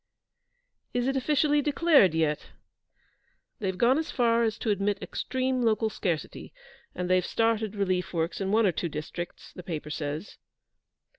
'Is it officially declared yet?' 'They've gone as far as to admit extreme local scarcity, and they've started relief works in one or two districts, the paper says.'